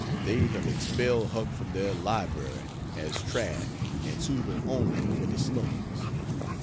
They have expelled Huck from their library as "trash and suitable only for the slums."